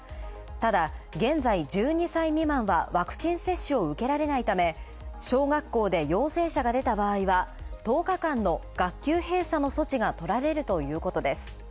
ただ、現在１２歳未満はワクチン接種を受けられないため小学校で陽性者が出た場合は１０日間の学級閉鎖の措置がとられるということです。